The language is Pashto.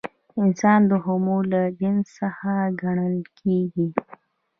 انسان د هومو له جنس څخه ګڼل کېږي.